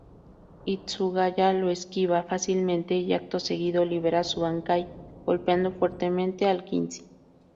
Hitsugaya lo esquiva fácilmente y acto seguido libera su Bankai, golpeando fuertemente al Quincy.